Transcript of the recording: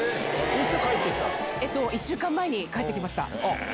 １週間前に帰ってきました。